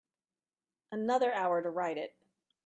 Another hour to write it.